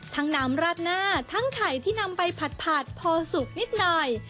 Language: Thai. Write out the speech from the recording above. น้ำราดหน้าทั้งไข่ที่นำไปผัดพอสุกนิดหน่อย